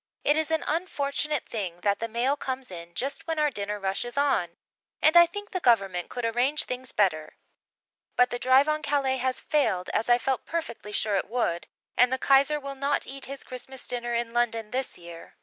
It is an unfortunate thing that the mail comes in just when our dinner rush is on, and I think the Government could arrange things better. But the drive on Calais has failed, as I felt perfectly sure it would, and the Kaiser will not eat his Christmas dinner in London this year.